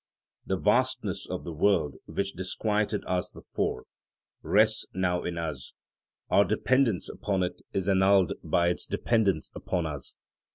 The vastness of the world which disquieted us before, rests now in us; our dependence upon it is annulled by its dependence upon us.